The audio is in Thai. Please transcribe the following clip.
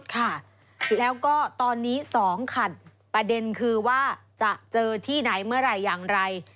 ค่ะแล้วก็ตอนนี้๒ขัดประเด็นคือว่าจะเจอที่ไหนเมื่อไหร่อย่างไร